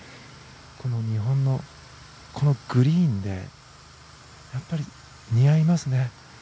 この日本の、このグリーンでやっぱり似合いますね。